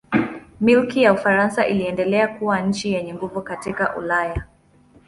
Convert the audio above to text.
Milki ya Ufaransa iliendelea kuwa nchi yenye nguvu katika Ulaya.